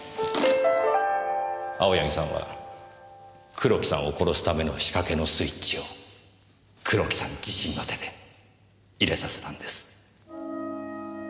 青柳さんは黒木さんを殺すための仕掛けのスイッチを黒木さん自身の手で入れさせたんです。